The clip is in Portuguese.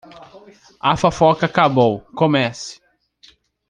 A fofoca acabou, comece!